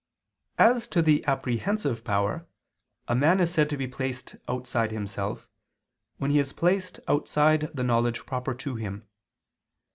As to the apprehensive power, a man is said to be placed outside himself, when he is placed outside the knowledge proper to him.